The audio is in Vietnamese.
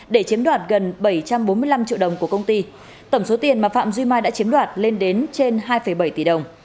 để chiếm đoạt gần bảy trăm bốn mươi năm triệu đồng của công ty tổng số tiền mà phạm duy mai đã chiếm đoạt lên đến trên hai bảy tỷ đồng